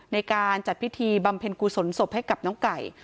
ในการจัดพิธีบำเพ็ญกุศลศพให้กับน้องไก่